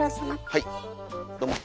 はいどうも。